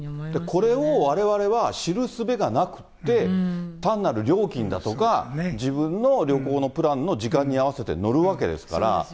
これをわれわれは知るすべがなくって、単なる料金だとか、自分の旅行のプランの時間に合わせて乗るわけですから。